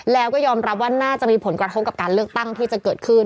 แล้วก็ยอมรับว่าน่าจะมีผลกระทบกับการเลือกตั้งที่จะเกิดขึ้น